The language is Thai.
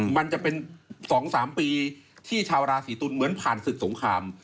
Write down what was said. มันจะเป็น๒๓ปีที่ชาวราศีตุลเหมือนผ่านศึกสงคราม